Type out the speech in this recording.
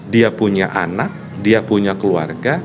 dia punya anak dia punya keluarga